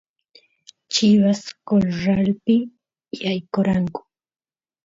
chivas corralpi yaykoranku